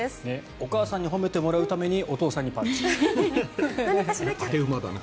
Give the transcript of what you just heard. お母さんに褒めてもらうためにお父さんにパンチした。